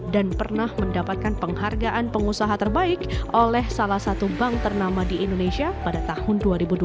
dan pernah mendapatkan penghargaan pengusaha terbaik oleh salah satu bank ternama di indonesia pada tahun dua ribu dua belas